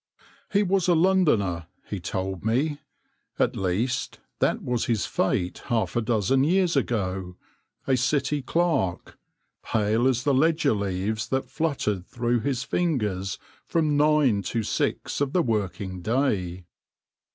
He was a Londoner — he told me — at least, that was his fate half a dozen years ago — a City clerk, pale as the ledger leaves that fluttered through his fingers from nine to six of the working day.